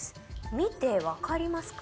見て分かりますか？